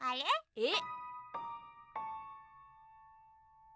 えっ？